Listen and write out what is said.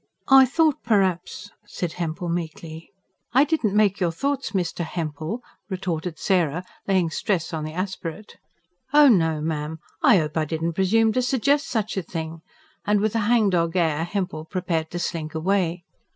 "I thought per'aps ..." said Hempel meekly. "I didn't make your thoughts, Mr. Hempel," retorted Sarah, laying stress on the aspirate. "Oh no, ma'am. I 'ope I didn't presume to suggest such a thing"; and with a hangdog air Hempel prepared to slink away.